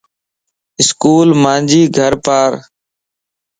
اسڪول مانجي گھر پار